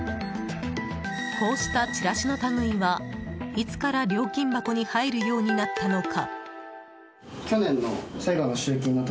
こうしたチラシの類いはいつから料金箱に入るようになったのか？